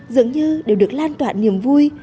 dường như đều được lan toàn niềm vui